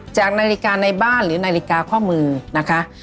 จากนาฬิกาในบ้านหรือนาฬิกาข้อมือนะคะ